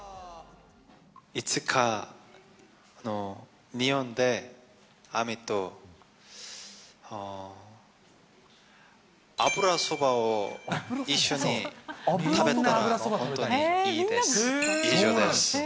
いつか日本でＡＲＭＹと、油そばを一緒に食べれたら本当にいいです。